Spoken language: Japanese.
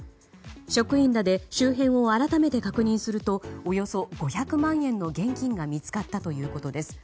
職員らで周辺を改めて確認するとおよそ５００万円の現金が見つかったということです。